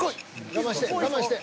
［我慢して我慢して］